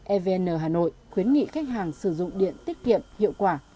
evn hà nội khuyến nghị khách hàng sử dụng điện tiết kiệm hiệu quả